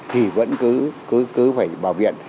thì vẫn cứ phải vào viện